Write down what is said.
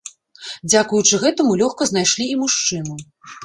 Дзякуючы гэтаму лёгка знайшлі і мужчыну.